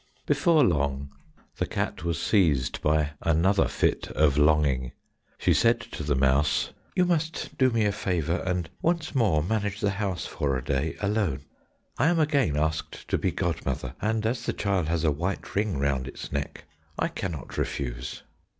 Before long the cat was seized by another fit of longing. She said to the mouse, "You must do me a favour, and once more manage the house for a day alone. I am again asked to be godmother, and, as the child has a white ring round its neck, I cannot refuse."